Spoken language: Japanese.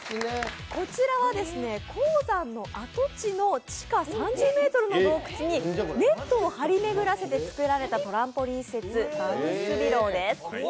こちらは鉱山の跡地の地下３０ｍの洞窟にネットを張り巡らせて作られたトランポリン施設バウンスビローです。